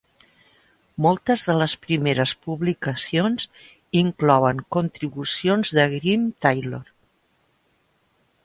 Moltes de les primeres publicacions inclouen contribucions de Graeme Taylor.